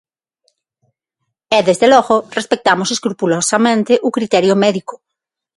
E, desde logo, respectamos escrupulosamente o criterio médico.